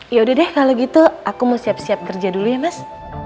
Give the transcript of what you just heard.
ya udah deh kalau gitu aku mau siap siap kerja dulu ya mas